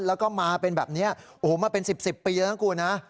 แล้วก็มาเป็นแบบเนี้ยโอ้โหมาเป็นสิบสิบปีแล้วนะครับคุณฮะ